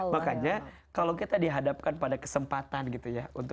makanya kalau kita dihadapkan pada kesempatan gitu ya